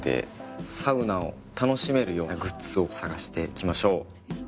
サウナを楽しめるようなグッズを探していきましょう。